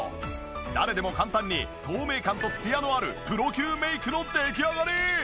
誰でも簡単に透明感とツヤのあるプロ級メイクの出来上がり！